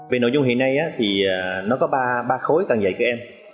về nội dung hiện nay thì nó có ba khối càng dày cơ em